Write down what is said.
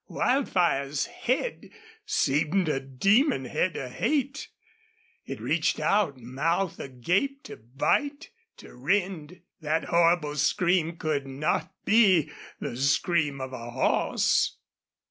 Wildfire's head seemed a demon head of hate. It reached out, mouth agape, to bite, to rend. That horrible scream could not be the scream of a horse.